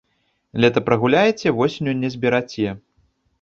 Лета прагуляеце – восенню не збераце